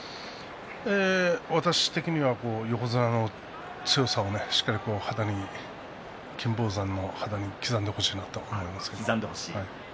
私的には、横綱の強さを金峰山の肌に刻んでほしいなと思います。